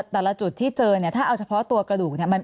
แต่ละจุดที่เจอเนี่ยถ้าเอาเฉพาะตัวกระดูกเนี่ย